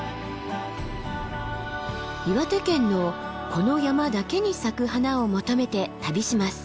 岩手県のこの山だけに咲く花を求めて旅します。